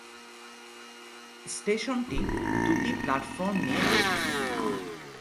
স্টেশনটি দুটি প্ল্যাটফর্ম নিয়ে গঠিত।